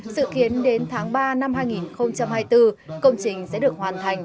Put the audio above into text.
sự kiến đến tháng ba năm hai nghìn hai mươi bốn công trình sẽ được hoàn thành